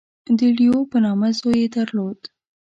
• د لیو په نامه زوی یې درلود.